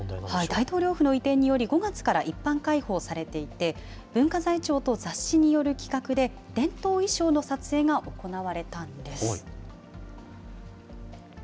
大統領府の移転により、５月から一般開放されていて、文化財庁と雑誌による企画で、伝統衣装の撮影が行われたんです。